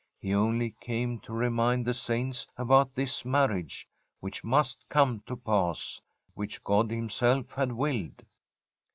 He only came to remind the Saints about this marriage, which must come to pass, which God Himself had willed.